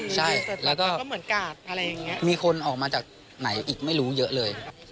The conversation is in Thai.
ใช่แล้วก็มีคนออกมาจากไหนอีกไม่รู้เยอะเลย